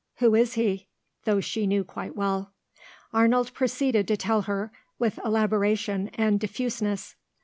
"Who is he?" though she knew quite well. Arnold proceeded to tell her, with elaboration and diffuseness.